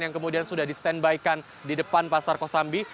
yang kemudian sudah di stand by kan di depan pasar kosambi